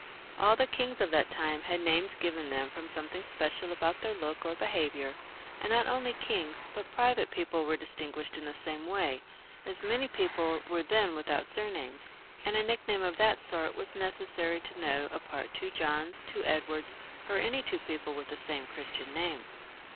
All the kings of that time had names given them from something special about their look or behaviour, and not only kings but private people were distinguished in the same way, as many people were then without surnames, and a nickname of that sort was necessary to know apart two Johns, two Edwards, or any two people with the same Christian name.